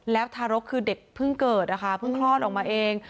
แล้วทารกคือเด็กเพิ่งเกิดนะคะเพิ่งคลอดออกมาเอง